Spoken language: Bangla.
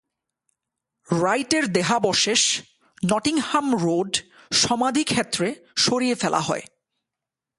রাইটের দেহাবশেষ নটিংহ্যাম রোড সমাধিক্ষেত্রে সরিয়ে ফেলা হয়।